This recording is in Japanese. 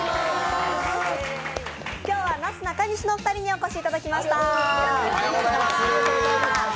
今日はなすなかにしのお二人にお越しいただきました。